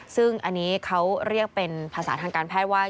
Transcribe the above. ซึ่งอันนี้เขาเรียกเป็นภาษาทางการแพทย์ว่า